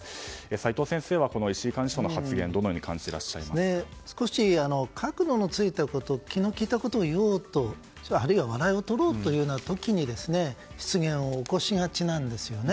齋藤先生は石井幹事長の発言どのように少し角度のついたこと気の利いたことを言おうとあるいは笑いを取ろうという時に失言を起こしがちなんですよね。